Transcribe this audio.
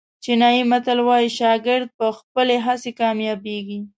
چینایي متل وایي شاګرد په خپلې هڅې کامیابېږي.